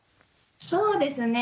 そうですね。